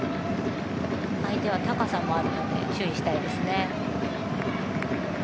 相手は高さもあるので注意したいですね。